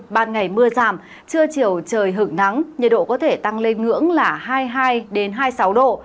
ban ngày mưa giảm trưa chiều trời hưởng nắng nhiệt độ có thể tăng lên ngưỡng là hai mươi hai hai mươi sáu độ